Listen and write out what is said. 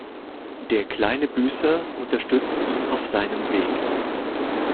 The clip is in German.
Der kleine Büßer unterstützt ihn auf seinem Weg.